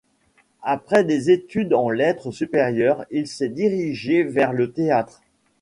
Après des études en lettres supérieures, il s'est dirigé vers le théâtre.